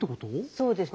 そうですね。